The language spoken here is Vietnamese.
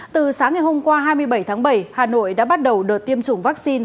từ sáng ngày hôm qua hai mươi bảy tháng bảy hà nội đã bắt đầu đợt tiêm chủng vaccine